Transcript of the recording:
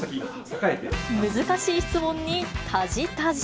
難しい質問にたじたじ。